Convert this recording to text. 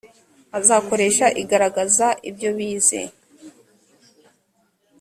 azakoresha igaragaza ibyo bize